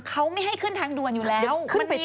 เขาไม่ให้ขึ้นทางด่วนอยู่แล้วมันมีป้ายติด